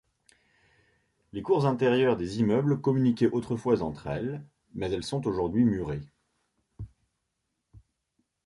Les cours intérieures des immeubles communiquaient autrefois entre elles, mais elles sont aujourd'hui murées.